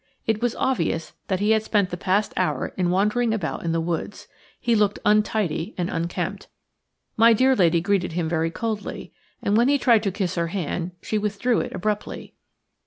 It was obvious that he had spent the past hour in wandering about in the woods. He looked untidy and unkempt. My dear lady greeted him very coldly, and when he tried to kiss her hand she withdrew it abruptly.